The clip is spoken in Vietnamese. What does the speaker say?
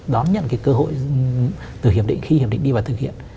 đón nhận cái cơ hội từ hiệp định khi hiệp định đi vào thực hiện